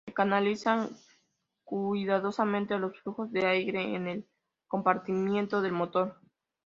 Se canalizan cuidadosamente los flujos de aire en el compartimento del motor.